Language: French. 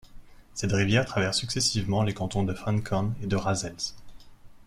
Cette rivière traverse successivement les cantons de Fancamp et de Rasles.